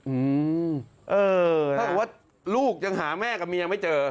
อืมเออนะถ้าบอกว่าลูกยังหาแม่กับเมียงไม่เจอ